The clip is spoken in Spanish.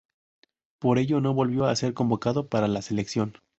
Por ello no volvió a ser convocado para la selección.